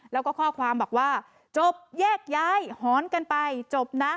แล้วก็ข้อความบอกว่าจบแยกย้ายหอนกันไปจบนะ